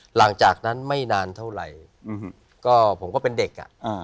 หลังจากนั้นไม่นานเท่าไรอืมอืมก็ผมก็เป็นเด็กอ่ะอ่า